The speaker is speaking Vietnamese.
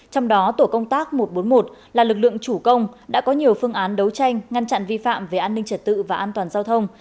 trong đó tổ công tác một trăm bốn mươi một là lực lượng chủ công đã có nhiều phương án đấu tranh ngăn chặn vi phạm về an ninh trật tự và an toàn giao thông